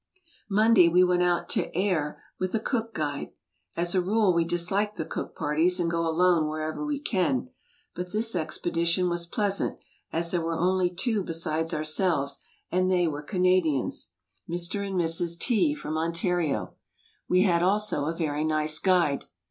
Monday we went out to Ayr with a Cook guide. As a rule we dislike the Cook parties and go alone wherever we can. But this expedition was pleasant, as there were only two besides ourselves and they were Canadians, Mr. and Mrs. '"1 .,™.,Google T. from Oniafio. We had also a very nice guide.